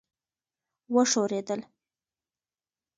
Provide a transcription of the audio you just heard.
وښورېدل.